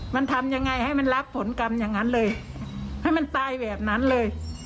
มันทำยังไงให้มันรับผลกรรมอย่างนั้นเลยให้มันตายแบบนั้นเลย